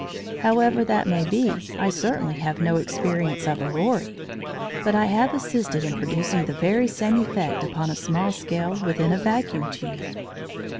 However that may be, I certainly have no experience of auroræ, but I have assisted in producing the very same effect upon a small scale within a vacuum tube.